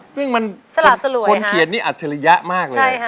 ซึ่งมันคนเขียนนี่อัจฉริยะมากเลย